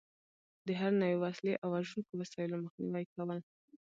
د هر نوع وسلې او وژونکو وسایلو مخنیوی کول.